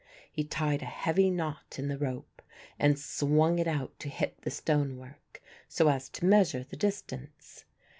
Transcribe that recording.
He tied a heavy knot in the rope and swung it out to hit the stonework, so as to measure the distance.